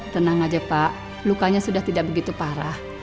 tenang aja pak lukanya sudah tidak begitu parah